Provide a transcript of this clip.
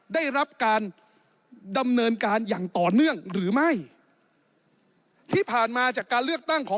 ได้รับการดำเนินการอย่างต่อเนื่องหรือไม่ที่ผ่านมาจากการเลือกตั้งของ